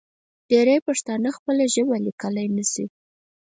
ډېری پښتانه خپله ژبه لیکلی نشي.